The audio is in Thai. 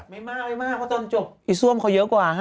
ไม่มากพ่อตอนจบอีซวมเขาเยอะกว่า๕๖